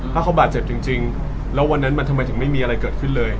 ถ้าเขาบาดเจ็บจริงแล้ววันนั้นมันทำไมถึงไม่มีอะไรเกิดขึ้นเลย